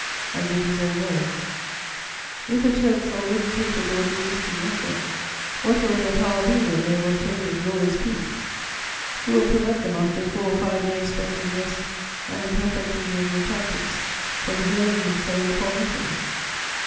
I give his own words: "'If the Turks are already capable of resisting Russia, what will their power be when they have obtained a glorious peace? Who will prevent them, after four or five years spent in rest and in perfecting their new tactics, from hurling themselves upon Italy?'